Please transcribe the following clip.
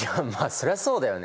そりゃそうだよね。